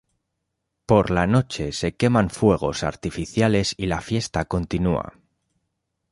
Por la noche, se queman fuegos artificiales y la fiesta continúa.